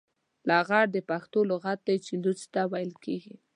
لغړ د پښتو لغت دی چې لوڅ ته ويل کېږي.